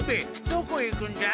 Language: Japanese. どこへ行くんじゃ？